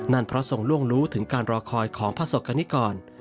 นั่นเพราะส่งร่วงรู้ถึงการรอคอยของพระศักดิ์กันนี่ก่อน